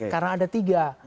karena ada tiga